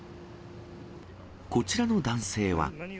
こちらの男性は。